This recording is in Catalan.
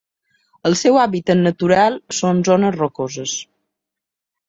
El seu hàbitat natural són zones rocoses.